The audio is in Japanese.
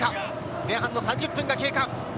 前半の３０分が経過。